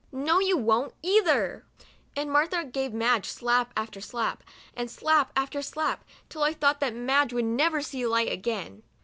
"No you won't, either," and Martha gave Madge slap after slap, and slap after slap, till I thought that Madge would never see light again.